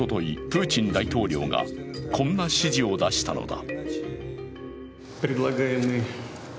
プーチン大統領がこんな指示を出したのだ。